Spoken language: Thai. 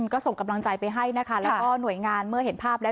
ก็ส่งกำลังใจไปให้นะคะแล้วก็หน่วยงานเมื่อเห็นภาพแล้ว